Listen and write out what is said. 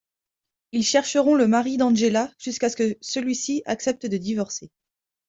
Ils chercheront le mari d'Angela jusqu'à que celui-ci accepte de divorcer.